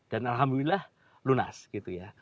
dan alhamdulillah lunas gitu ya